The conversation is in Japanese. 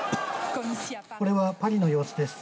これはパリの様子です。